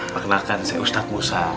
perkenalkan saya ustad musa